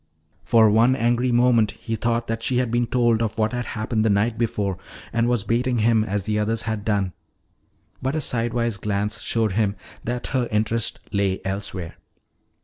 For one angry moment he thought that she had been told of what had happened the night before and was baiting him, as the others had done. But a sidewise glance showed him that her interest lay elsewhere.